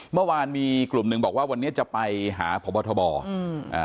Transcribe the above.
เมื่อวานมีกลุ่มหนึ่งบอกว่าวันนี้จะไปหาพบทบอืมอ่า